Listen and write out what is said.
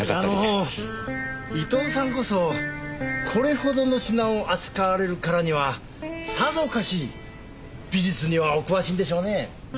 あの伊藤さんこそこれほどの品を扱われるからにはさぞかし美術にはお詳しいんでしょうねえ。